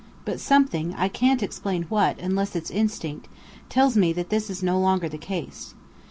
But something I can't explain what, unless it's instinct tells me that this is no longer the case.